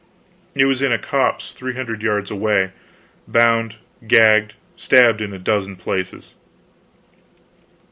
It was in a copse three hundred yards away, bound, gagged, stabbed in a dozen places.